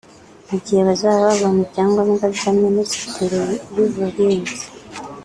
Mu gihe bazaba babonye ibyangombwa bya Minisiteri y’ubuhinzi